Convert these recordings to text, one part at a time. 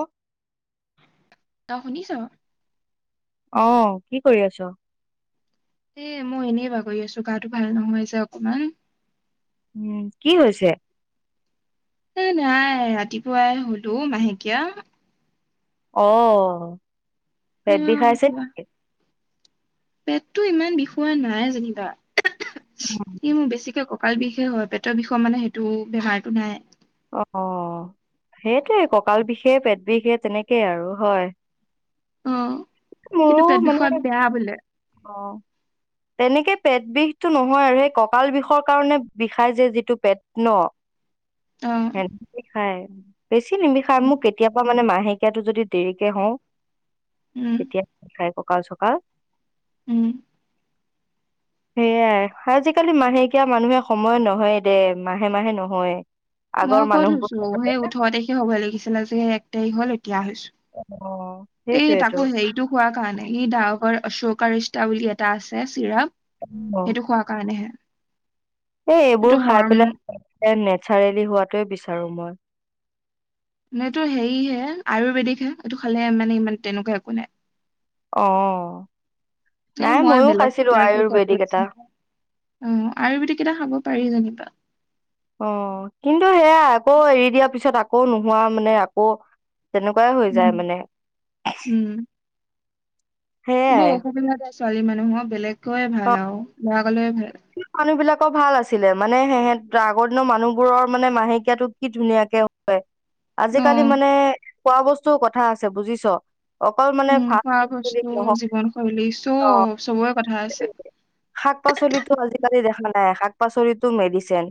অ'। তই শুনিছ'? অ', কি কৰি আছ'? এ মই এনেই বাগৰি আছোঁ, গাটো ভাল নহয় যে অকমান। উম, কি হৈছে? এ নাই ৰাতিপুৱাই হ'ল অ', মাহেকীয়া। অ', পেট সেয়া বিষাই আছে এতিয়া নেকি? পেটটো ইমান বিষোৱা নাই যেনিবা ই মোক বেছিকে ক কঁকাল বিষে হয় পেটৰ বিষৰ মানে সেইটো বেহাৰটো নাই। অ', সেইটোৱে কঁকাল বিষে পেট বিষে তেনেকেই আৰু হয়। অ কিন্তু মোৰো পেট বিষোৱা মানে বেয়া বোলে অ তেনেকে পেট বিষটো নহয় আৰু সেই ককাল বিষৰ কাৰণে বিষাই যে যিটো পেট ন অ খাই বেছি নিবি খায় উম মোক কেতিয়াবা মানে মাহে মাহেকিয়া যদি দেৰিকে হওঁ উম তেতিয়া খাই কঁকাল চকাল উম। [unintelligible] সেয়াই আজিকালি মাহেকীয়া মানুহে সময় নহয় দে মাহে মাহে নহয় মই আগৰ ক' থৈছো মানুহবোৰ সেই ওঠৰ তাৰিখে হ'বই লাগিছিল আ সেই এক তাৰিখ হ'ল দা অ', হৈছো এই সেইটোৱেতো। তাকো হৈছে এইটো খোৱা কাৰণে ই ডাহকৰৰ চৌকাৰ ষ্টা বুলি এটা আছে চিৰাপ অ', সেইটো খোৱা কাৰণেহে এই এইবোৰ এইটো খাই হৰম পেলাই নেচাৰেলি হোৱাটোৱে বিচাৰো মই ম এইটো হেৰিহে আয়ুৰ্বেদিক হে। এইটো খালে মানে ইমান তেনেকুৱা একো নাই অ নাই [unintelligible] ময়ো খাইছিলো কেইটা খাব আয়ুৰ্বেদিক এটা। পাৰি জানো [unintelligible] অ কিন্তু সেয়া আকৌ এৰি দিয়াৰ পিছত আকৌ নোহোৱা মানে আকৌ। তেনেকুৱাই হৈ উম যায় মানে বৌ সেয়াই অসুবিধা যে ছোৱালী মানুহৰ বেলেগকৈয়ে অ', ভাল আৰু ল'ৰা সকলৰে ভাল মানুহ বিলাক ক ভাল আছিলে মানে সেহত আগৰ দিনৰ মানুহবোৰৰ মানে মাহেকীয়াাতটো কি ধুনীয়াকে হয় অ আজিকালি মানে খোৱা বস্তু কথা আছে বুজিছ অকল মানে উম ফাষ্ট খোৱা ফুড বুলি বস্তু নহয় জীৱন শৈলী চব চবৰে কথা অ', আছে শাক পাচলিতো আ আজিকালি দেখা নাই শাক পাচলিটো মেডিচেন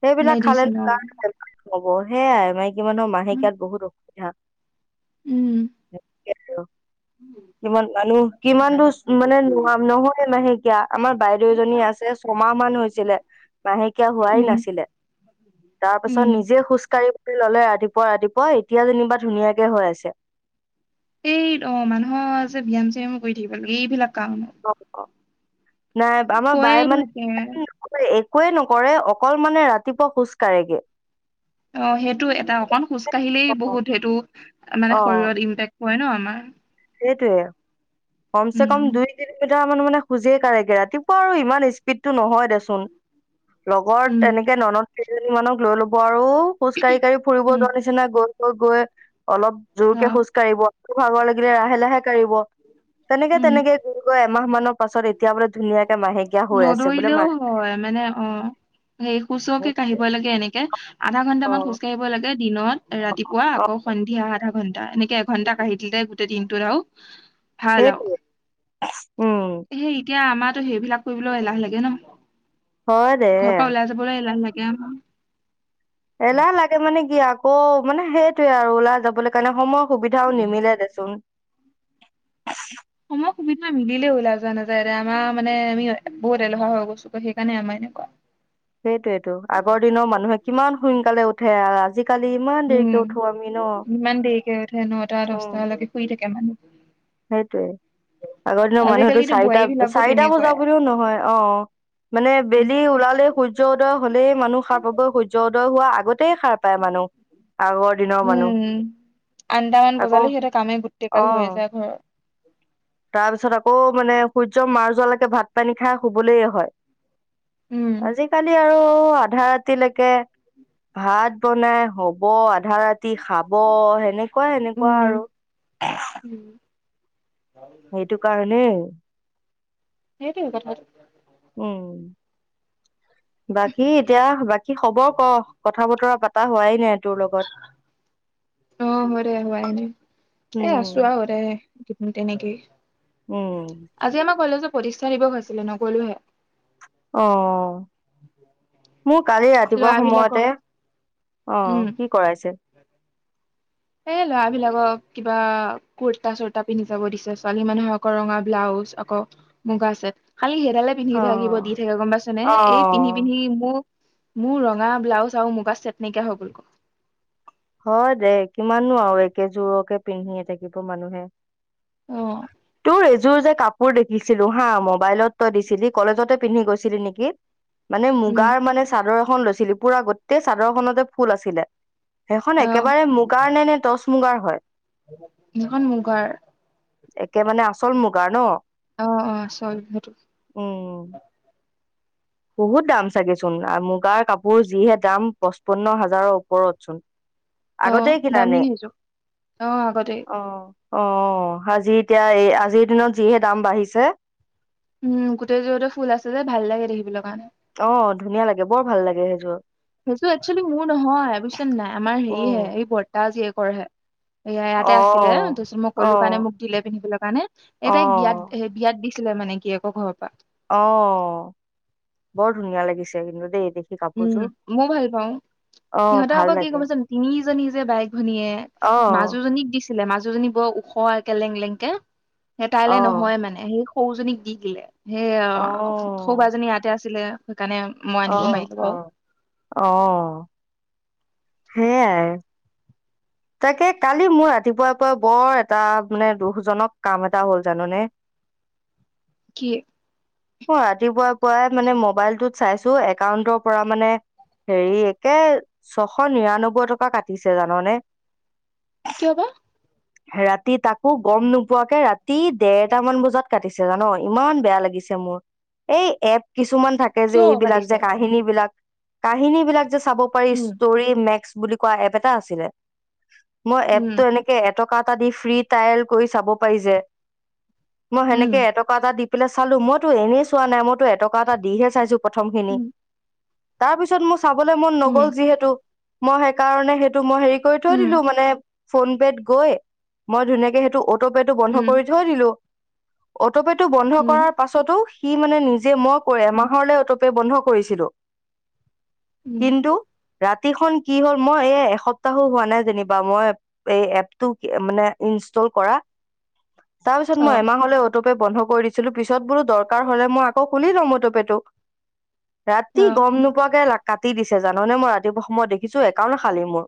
সেইবিলাক খালে মেডিচিন অ ব হেয়াই মাইকী মানুহৰ উম মাহেকীয়াত বহুত অসুবিধা [unintelligible] উম কিমান মানুহ কিমান দ মানে নোৱাৰ নহয় মাহেকীয়া আমাৰ বাইদেউ এজনী আছে। ছমাহ মান হৈছিলে মাহেকীয়া হোৱাই উম নাছিলে তাৰ উম পিছত নিজে খোজ কাঢ়ি ললে ৰাতিপুৱা ৰাতিপুৱা এতিয়া যেনিবা ধুনীয়াকে হৈ আছে এই অ মানুহৰ যে ব্যায়াম চায়ামো কৰি থাকিব লাগে এইবিলাক কাৰণত অ নাই আমাৰ কৈয়ে বায়ে থাকে মানেক একোৱে নকৰে অকল মানে ৰাতিপুৱা খোজ কঢ়েগে অ সেইটো এটা অকন খোজ কাঢ়িলেই অ বহুত সেইটো মানে শৰীৰত ইম্পেক্ ক ন আমাৰ সেইটোৱে কমছে কম উম দুই কিলোমিটাৰ মান মানে খোজে কগে ৰাতিপুৱা আৰু ইমান স্পীডতটো নহয় দেচোন লগত উম এনেকে ননদ কেইজনী মানক লৈ ল'ব আৰু খোজ কঢ়ি কঢ়ি ফুৰিব উম যোৱাৰ নিচিনা গৈ গৈ অলপ অ জোৰকে খোজ কাঢ়িব ভাগৰ লাগিলে লাহে লাহে কাঢ়িব তেনেকে উম তেনেকে গুৰিগৈ এমাহ মানৰ পাছত এতিয়া বোলে ধুনীয়াকে মাহেকীয়া হৈ আছে বোলে নদৌৰিলেও মাহ হয় মানে অ সেই সুচকে কাঢ়িবই লাগে এনেকে আধা ঘন্টা অ মান খোজকাঢ়িব লাগে দিনত ৰাতিপুৱা অ আকৌ সন্ধিয়া আধা ঘণ্টা। ঘন্টা এনেকে এঘন্টা কঢি দিল দে গোটেই দিনটোত আৰু ভাল অ সেইটোৱে উম সেই এতিয়া আমাৰ সেইবিলাক কৰিবলৈ এলাহ লাগে ন। হয় দে ঘৰৰ পৰা ওলাই যাবলৈ এলাহ লাগে এম এলাহ লাগে মানে কি আকৌ মানে সেইটোয়ে আৰু ওলাই যাবলৈ কাৰণে সময় সুবিধাও নিমিলে দেচোন [unintelligible] [unintelligible] মিলিলেও ওলাই যোৱা নাযায় দে আমাৰ মানে আমি বহুত এলেহুৱা হৈ গৈছোগৈ সেইকাৰণে আমাৰ এনেকুৱা। সেইটোয়েইটো আগৰ দিনৰ মানুহে কিমান সোনকালে উঠে আৰু আজি কালি ইমান উম দেৰিকৈ উঠোঁ আমি ন? ইমান দেৰিকে উঠে নটা উম। দহটালৈকে শুই থাকে মানুহ সেইটোয়েই, আগৰ দিনৰ মানুহেটো আজিকালিতো বোৱাৰী চাৰিটা- বিলাকো চাৰিটা বজা তেনেকুৱাই বুলিও নহয় অ' মানে বেলি ওলালে, সূৰ্য উদয় হলেই মানুহ সাৰ পাবই, সূৰ্য উদয় হোৱা আগত তেই সাৰ পায় মানুহ আগৰ দিনৰ মানুহ উম আঠটামান আকৌ বজালে সিহঁতে কামেই গোটেই গাল হৈ যায় ঘৰৰ। তাৰ পিছত আকৌ মানে সূৰ্য মাৰ যোৱালৈকে ভাত পানী খাই শুবলৈ হয়। উম আজি কালি আৰু আধা ৰাতিলৈকে ভাত বনাই হ'ব। আধা ৰাতি খাব, এনেকুৱা এনেকুৱা উম আৰু উম, সেইটো কাৰণেই সেইটোৱেই কথাটো। উম বাকী এতিয়া বাকী খবৰ ক। কথা বতৰা পতা হোৱাই সেই তোৰ লগত। অ' হয় দে হোৱাই নাই এই আছো উম আৰু দে তেনেকেই উম। আজি আমাৰ কলেজৰ প্ৰতিষ্ঠা দিৱস আছিলে নগলোহে। অ', মোৰ কালি ৰাতিপুৱা সময়তে লৰাবিলাকক উম অ' কি কৰাইছিল? এ ল'ৰা বিলাকক কিবা কুুৰ্তা চুৰ্তা পিন্ধি যাব দিছে, ছোৱালী মানুহক ৰঙা ব্লাউজ আকৌ, মুগা ছেট। খালি সেইডালে পিন্ধি অ থাকিব দি থাকে গম পাইছ নে? অ এই পিন্ধি পিন্ধি মোক মোৰ ৰঙা ব্লাউজ আৰু মুগা ছেট নাইকিয়া হৈ গ'লগৈ। হয় দে, কিমাননু আৰু একেযোৰকে পিন্ধিয়ে থাকিব মানুহে? উম তোৰ এযোৰ যে কাপোৰ দেখিছিলো হা, মোবাইলত তই দিছিলি। কলেজতে পিন্ধি গৈছিলি নেকি? মানে মুগাৰ মানে চাদৰ এখন লৈছিলি, পুৰা গোটেই চাদৰখনতে ফুল আছিলে। সেইখন অ একেবাৰে মুগাৰ নে, নে টচ মুগাৰ হয়? সেইখন মুগাৰ একে মানে আচল মুগাৰ ন? অ অ চৰি সেইটো উম। বহুত দাম চাগেচোন মুগাৰ কাপোৰ যিহে দাম পঁচপন্ন হাজাৰৰ ওপৰত চোন। অ আগতেই কিনা দামী নি? সেইযোৰ অ আগতে অ'। অ'। আজি এতিয়া এই আজিৰ দিনত যিহে দাম বাঢ়িছে। উম গোটেই যোৰতে ফুল আছে যে, ভাল লাগে দেখিবলৈ কাৰণে। অ' ধুনীয়া লাগে, বৰ ভাল লাগে সেইযোৰ। সেইযোৰ একচোৱেলি মোৰ নহয় বুজিছ নে নাই? আমাৰ উম হেৰিহে এই বৰতা জীয়েকৰ হে। এয়া ইয়াতে অ আছিলে, তাৰপিছত মই অ ক'লো কাৰণে মোক দিলে পিন্ধিবলৈ কাৰণে, এই অ তাইক বিয়াত হে বিয়াত দিছ আছিলে মানে গিৰিয়েকৰ ঘৰত। অ', বৰ ধুনীয়া লাগিছে কিন্তু দেই। দেখি উম। কাপোৰযোৰ মইও ভাল পাওঁ। অ সিহঁতে ভাল আকৌ কি লাগে গম পাইছ নে? তিনিজনী যে বাইক ভনীয়েক। অ মাজুজনীক দিছিলে মাজুজনী বৰ ওখ ওখ একে লেং লেংকে সেই অ তাইলৈ নহয় মানে সেই সৰুজনীক দি দিলে। সেইয়া অ সৰু বাজনি ইয়াতে আছিলে সেইকাৰণে মই অ আনিব পাৰিলো। বাৰু অ' অ' হেয়াই। তাকে, কালি মোৰ ৰাতিপুৱাৰ পৰাই বৰ এটা মানে দুখজনক কাম এটা হ'ল, জান নে? কি? মই ৰাতিপুৱাৰ পৰাই মানে মবাইলটোত চাইছো একাউণ্টৰ পৰা মানে হেৰি, একে ছয়শ নিৰান্নব্বৈ টকা কাটিছে। জাননে? কিয় বা ৰাতি তাকো গম নোপোৱাকে ৰাতি দেৰটামান বজাত কাটিছে জান ইমান বেয়া লাগি মোৰ এই এপ কিছুমান থাকে যে কিয় এইবিলাক পাতিছে যে কাহিনী বিলাক কাহিনী বিলাক যে চাব পাৰি যে উম ষ্টৰি নেক্সট বুলি কোৱা এপ এটা আছিলে মই এপ টো উম এনেকে এটকা এটা দি ফি টাইল কৰি চাব পাৰি যে মই উম সেনেকে এটকা এটা দি পেলাই চালো মইতো এনেই চোৱা নাই মইতো এটকা এটা দিহে চাইছো প্ৰথম খিনি উম তাৰ পিছত মোৰ চাবলৈ মন নগ'ল উম যিহেতু মই সেইকাৰণে সেইটো মই হেৰি কৰি থৈ দিলো উম মানে ফোন পে'ত গৈ মই ধুনীয়াকে সেইটো অটোপে'টো বন্ধ উম কৰি থৈ দিলো অটোপে'টো বন্ধ উম কৰাৰ পাছতো সি মানে নিজে মই কৈ উম এমাহৰলৈ অটোপে বন্ধ কৰিছিলো উম কিন্তু ৰাতিখন কি হ'ল মই এ এসপ্তাহো হোৱা নাই পালে যেনিবা মই এই এপটো মানে ইনষ্টল কৰা তাৰ পিছত অ মই এমাহলৈ অটোপে বন্ধ কৰি দিছিলো পিছত বোলো দৰকাৰ হলে মই আকৌ শুনি লওঁ অটোপে টো ৰাতি অ গম নোপোৱাকে কাটি দিছে জাননে মই ৰাতিপুৱা সময়ত দেখিছো একাউন খালী মোৰ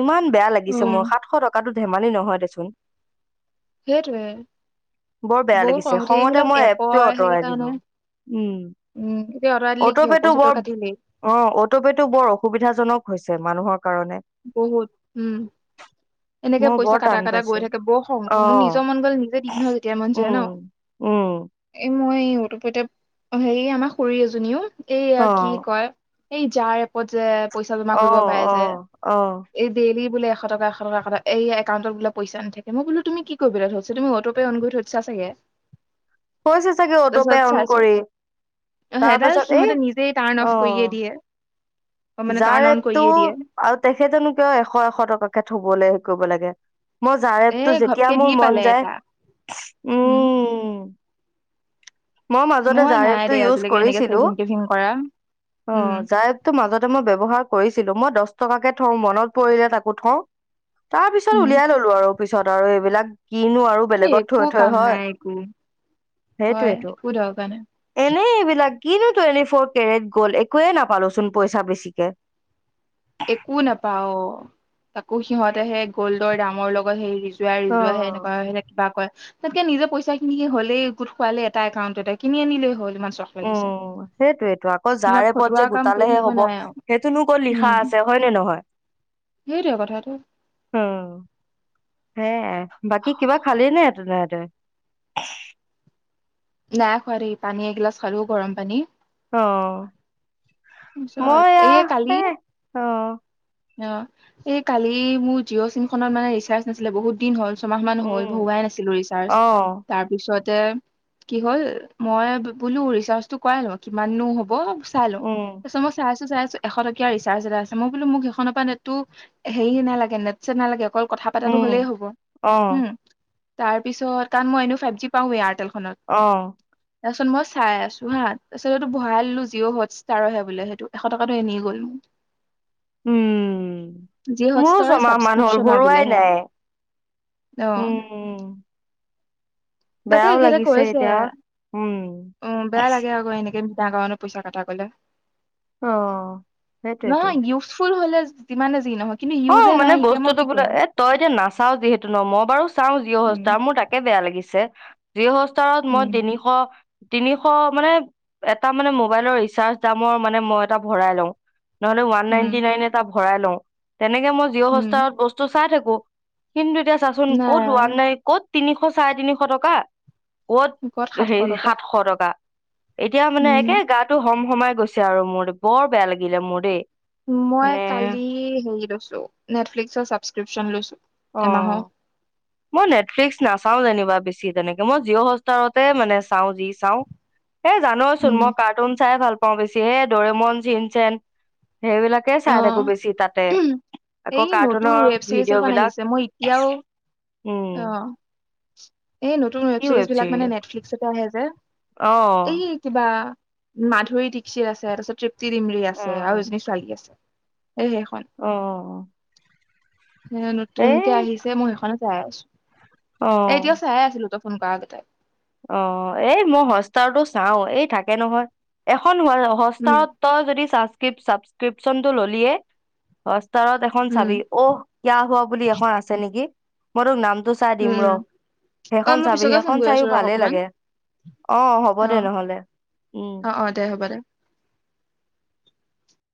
ইমান বেয়া লাগিছে উম মোৰ সাতশ টকাটো ধেমালি নহয় দেচোন সেইটোৱেই বৰ তো বেয়া বহুত লাগিছে খং উঠে খঙতে এইবিলাক মই এপটোৱে এপৰ আঁতৰাই সেইকাৰণে দিলো উম উম এতিয়া অৰ্ডাৰ দিলে কি হ'ল অটোপে'টো পইচাটো বৰ কাটিলেই অ' অটোপে' টো বৰ অসুবিধাজনক হৈছে মানুহৰ কাৰণে বহুত উম এনেকে মই পইচা বৰ কাটা টান কাটা গৈ পাইছো থাকে বৰ খং উঠে অ মোৰ নিজৰ মন গ'ল নিজে দিম নহয় যেতিয়া মন যায় উম ন উম এ মই অটপেতে হেৰি আমাৰ খুৰ এজনীও এইয়া অ কি কয় এই যাৰ এপত যে পইচা জমা অ কৰিব পাৰে অ যে অ এই ডেইলি বোলে এশ ট এশ টকা এ এই একাউটত বোলে পইচা নাথাকে মই বোল তুমি কি কৰিবলেৰিছ তুমি অ'টপে অ'ন কৰি ঠৈছে চাগে হৈছে চাগে অটোপে তাৰপিছত অন চাইছো কৰি তাৰ সেইডাল পাছত এই সিহঁতে ' নিজেই টাৰ্ণ অফ কৰিয়ে দিয়ে অ মানে যাৰ টাৰ্ণ অন এপটো কৰিয়ে দিয়ে আৰু তেখেতেনো কিয় এশ এশ টকাকে থবলৈ হেৰি কৰিব লাগে মই এ জানতো যেতিয়া ঘপকে দি মোৰ পালে মন এটা যায় উম মই মাজতে নাই যাৰএপটো দেই ইউজ আজিলৈকে এনেকে কৰিছিলো চেভিং টেভিং কৰা উম অ' যাৰএপটো মাজত ব্যৱহাৰ কৰিছিলো মই দহ টকাকে থওঁ মনত পৰিলে তাকো থওঁ তাৰ পিছত উম, উলিয়াই ললো আৰু পিছত আৰু এইবিলাক কিনো আৰু এই বেলেগত একো থৈ থৈ কাম হয় নাই একো হয় সেইটোয়েইটো একো দৰকাৰ নাই এনেই এইবিলাক কিনো টুৱেণ্টি ফ'ৰ কেৰেট গ'ল একোৱে নাপালোচোন পইচা বেছিকে একো নাপাও তাকো সিহঁতে সে গ'ল্ডৰ দামৰ লগত হেৰি যাই ৰি যোৱা অ সেনেকুৱা সে কিবা কয় তাতকে নিজে পইচাখিনি হলেই গোট খোৱালে এটা একাউণ্টতে কিনি আনিলেই হ'ল মানে উম সেইটোয়েটো আকৌ যাৰে পথ ফটোৱা যে কাম কৰি গোটালেহে থাকিব হব নাই আৰু সেইটোনো কত লিখা উম আছে হয় নে নহয় সেইটোৱে কথাটো এ বাকী কিবা খালি নে তেহতে নাই খোৱো দেই পানী এগিলাছ খালো গৰম পানী অ' তাৰপিছত মই এই অ' কালি হে অ' অ' এই কালি মোৰ জিঅ' চিম খত মানে ৰিচাৰ্জ নাছিলে বহুত দিন হ'ল ছমাহ মান হ'ল উম ভহুৱাই নাছিলো ৰিচাৰ্জ অ তাৰ পিছত'- কি হ'ল মই বোলো ৰিচাজটো কৰাই লওঁ কিমাননো হ'ব উম ই চ এশ ৰিচাৰ্জ এটা আছে মই বোলো মোক সখনৰ পৰা নেটো হেৰি নাগে নেট ন অঁ কথা পাতাটো উম হ'লে হ'ব। অ তাত মই এনেও ফাইভ জি পাওঁ এয়াৰটেল। আহ তাৰপাছত মই চাই আছো হা ত আছতো ভৰাই ললো জিঅ' হটষ্টাৰৰহে। বোলে সেইটো এশ টকাতটো এনিয়ে গ'ল। জিঅ' উম। মোৰো হটষ্টাৰৰ ছমাহ মান হ'ল ছাবস্ক্ৰিপশ্যনৰ বোলে ভৰুৱাই নাই সেয়া অ' উম। তাকে বেয়াও এইখেইতে কৈ লাগিছে আছে এতিয়া উম উ বেয়া লাগে আকৌ এনেকে। [unintelligible] পইচা কটা গ'লে অ সেইটোয়েতো নাহয় ইউজফুল হ'লে। যিমানে যি নহয় কিন্তু অ ইউজে। মানে নাই এতিয়া মই বস্তুতো কি বোলে কৰিম এ তই এতিয়া নাচাও যিহেতু ন মই বাৰু চাও উম জিঅহটষ্টাৰৰ মোৰ তাকে বেয়া লাগিছে। যিঅহটষ্টাৰত মই উম তিনিশ। তিনিশ মানে এটা মানে মোবাইলৰ ৰিচাৰ্জ দামৰ মানে মই এটা ভৰাই লওঁ। নহলে ওৱান নাইনটি উম নাইন এটা ভৰাই লওঁ তেনেকে মই জিঅ' উম হটষ্টাৰত বস্তু চাই থাকো। কিন্তু এতিয়া চাচোন ক'ত নাই ওৱান নাই ক'ত তিনিশ চাৰে তিনিশ টকা। গত ক'ত সাতশ হে টকা সাতশ টকা। এতিয়া মানে উম একে গাটো হম হমাই গৈছে আৰু মোৰ বৰ বেয়া লাগিলে মোৰ দেই। মই মানে কালি [unintelligible] নেটফ্লিকচৰ চাবচকিউচন লৈছো। অ এমাহৰ মই নেটফ্লিক্স নাচাওঁ যেনিবা বেছি তেনেকে মই জিঅ হষ্টাৰতে মানে চাওঁ যি চাওঁ। এ জানোচোন উম মই কাৰ্টুন চাই ভাল পাওঁ বেছি হ দৰেমন চিন চেন। সেইবিলাকে অ চাই থাকো বেছি তাতে আকৌ এই নতুন কাৰ্টুনৰ ৱেব ছিৰিজ ভিডিঅ' বিলাক। উম আহ এই নতুন ৱেব চিৰিজ বিলাক মানে নেটফ্লিক্সতে আহে যে অ এই কিবা। মাধুৰী দীক্ষিত আছে তাৰপিছত তৃপ্তি ডিমলি অ আছে আৰু এজনী ছোৱালী আছে। সেই সেইখন অ', অ', অ। এ নতুনকে আহিছে মই সেইখনো চাই আছো। অ এতিয়াও চাই আছিলো। তই ফোন কৰা আগতে অ এই মই হটষ্টাৰটো চাও এই থাকে নহয় এখন। উম হটষ্টাৰত তই যদি চাবস্ক্ৰিপচনতো ল'লিয়ে তত এখন উম চাবি অহ কিয়া হোৱা বুলি এখন আছে নেকি মই তোক নাম চাই উম দিম ৰ উম অ সেইখন মই চাবি পিছকে ফোন সেইখন কৰি আছো চাইও। ৰ ল অকমান অ হ'ব অ দে নহ'লে উম। অ অ দে হ'ব দে